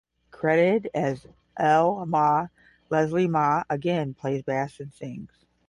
Credited as L. Mah, Leslie Mah again plays bass and sings.